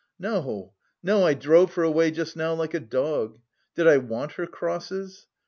No, no, I drove her away just now like a dog. Did I want her crosses?